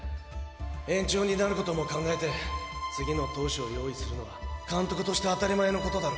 延長になることも考えて次の投手を用意するのは監督として当たり前のことだろ。